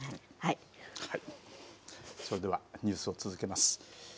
それではニュースを続けます。